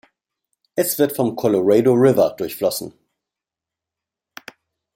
Es wird vom Colorado River durchflossen.